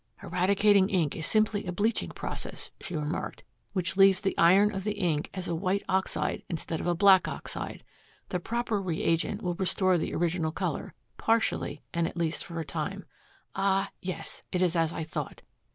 "Eradicating ink is simply a bleaching process," she remarked, "which leaves the iron of the ink as a white oxide instead of a black oxide. The proper reagent will restore the original color partially and at least for a time. Ah yes it is as I thought.